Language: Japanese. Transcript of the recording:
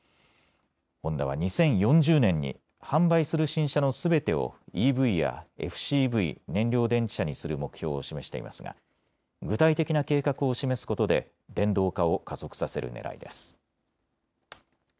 ホンダは２０４０年に販売する新車のすべてをＥＶやＦＣＶ・燃料電池車にする目標を示していますが具体的な計画を示すことで電動化を加速させるねらいです。